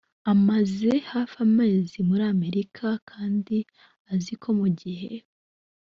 amaze hafi amezi muri amerika kandi azi ko mu gihe